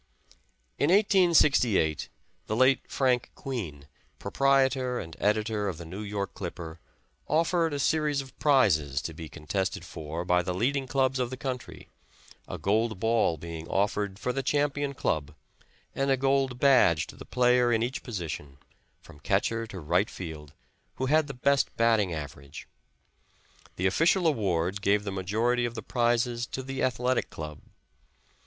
In 1868 the late Frank Queen, proprietor and editor of the New York Clipper, offered a series of prizes to be contested for by the leading clubs of the country, a gold ball being offered for the champion club, and a gold badge to the player in each position, from catcher to right field, who had the best batting average. The official award gave the majority of the prizes to the Athletic club.